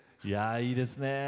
いやいいですね。